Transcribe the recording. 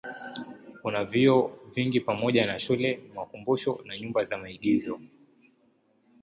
Kuna vyuo vingi pamoja na shule, makumbusho na nyumba za maigizo.